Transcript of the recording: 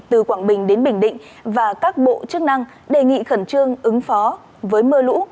từ quảng bình đến bình định và các bộ chức năng đề nghị khẩn trương ứng phó với mưa lũ